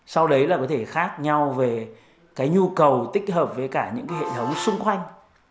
sau đấy là có thể khác nhau về cái nhu cầu tích hợp với cả những cái hệ thống xung quanh